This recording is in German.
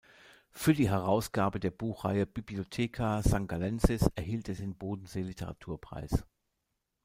Für die Herausgabe der Buchreihe "Bibliotheca Sangallensis" erhielt er den Bodensee-Literaturpreis.